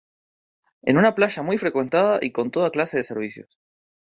Es una playa muy frecuentada y con toda clase de servicios.